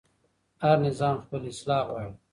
هر نظام خپل اصلاح غواړي